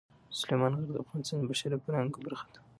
سلیمان غر د افغانستان د بشري فرهنګ برخه ده.